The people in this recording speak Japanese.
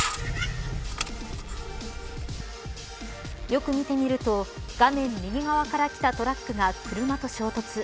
よく見てみると画面右側から来たトラックが車と衝突。